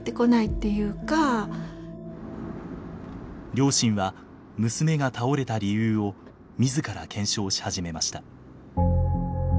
両親は娘が倒れた理由を自ら検証し始めました。